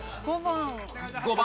５番。